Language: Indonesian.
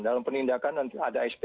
dalam penindakan nanti ada sp